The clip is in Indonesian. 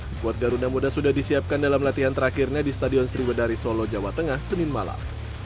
skuad garuda muda sudah disiapkan dalam latihan terakhirnya di stadion sriwedari solo jawa tengah senin malam